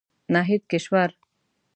ناهيد کشور